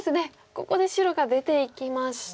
ここで白が出ていきまして。